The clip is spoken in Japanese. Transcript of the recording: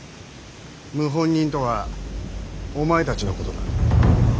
謀反人とはお前たちのことだ。